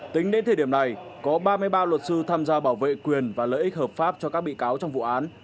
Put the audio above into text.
tính đến thời điểm này có ba mươi ba luật sư tham gia bảo vệ quyền và lợi ích hợp pháp cho các bị cáo trong vụ án